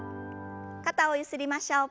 肩をゆすりましょう。